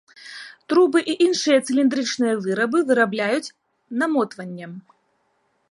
Трубы і іншыя цыліндрычныя вырабы вырабляюць намотваннем.